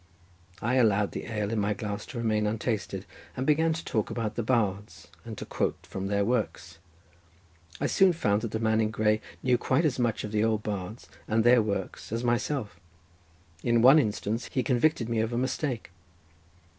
I allowed the ale in my glass to remain untasted, and began to talk about the bards, and to quote from their works. I soon found that the man in grey knew quite as much of the old bards and their works as myself. In one instance he convicted me of a mistake.